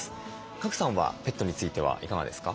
賀来さんはペットについてはいかがですか？